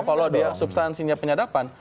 kalau dia substansinya penyedapan